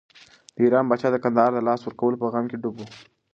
د ایران پاچا د کندهار د لاسه ورکولو په غم کې ډوب و.